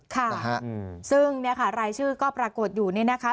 ค่ะซึ่งรายชื่อก็ปรากฏอยู่นี่นะคะ